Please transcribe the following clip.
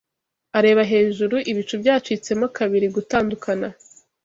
areba hejuru - ibicu byacitsemo kabiri Gutandukana